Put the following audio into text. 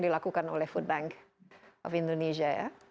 dilakukan oleh food bank of indonesia ya